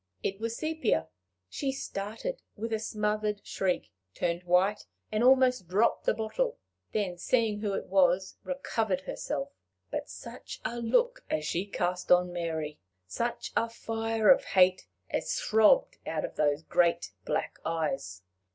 It was Sepia! She started with a smothered shriek, turned white, and almost dropped the bottle; then, seeing who it was, recovered herself. But such a look as she cast on Mary! such a fire of hate as throbbed out of those great black eyes!